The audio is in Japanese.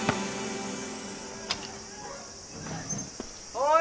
おい！